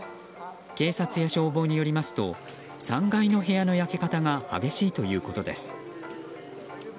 警察や消防によりますと３階の部屋の焼け方が激しいということです。